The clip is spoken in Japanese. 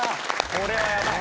これはやばい。